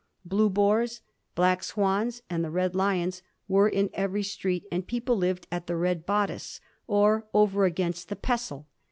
^ Blue Boars,' * Black Swans,' and ^ Red Lions ' were in every street, and people lived at the ^ Red Bodice,' or over against the * Pestle.'